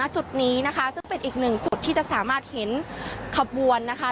จุดนี้นะคะซึ่งเป็นอีกหนึ่งจุดที่จะสามารถเห็นขบวนนะคะ